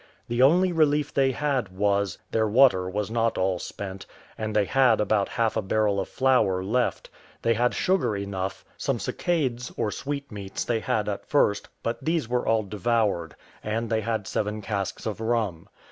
The only relief they had was, their water was not all spent, and they had about half a barrel of flour left; they had sugar enough; some succades, or sweetmeats, they had at first, but these were all devoured; and they had seven casks of rum.